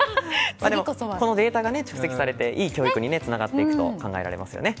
でもこのデータが蓄積されていい教育につながっていくと考えられますよね。